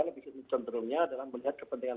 lebih contohnya dalam melihat kepentingan